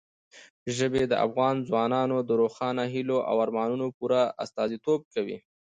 ژبې د افغان ځوانانو د روښانه هیلو او ارمانونو پوره استازیتوب کوي.